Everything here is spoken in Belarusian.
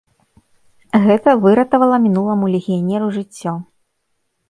Гэта выратавала мінуламу легіянеру жыццё.